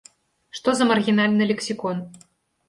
Што за маргінальны лексікон!